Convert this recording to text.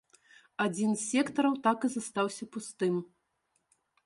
Адзін з сектараў так і застаўся пустым.